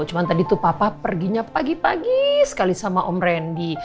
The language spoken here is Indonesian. cuma tadi tuh papa perginya pagi pagi sekali sama om randy